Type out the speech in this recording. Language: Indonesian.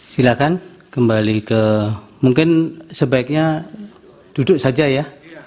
silakan kembali ke mungkin sebaiknya duduk saja ya